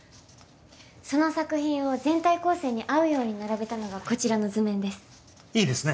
その作品を全体構成に合うように並べたのがこちらの図面ですいいですね